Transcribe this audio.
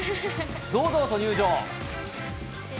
堂々と入場。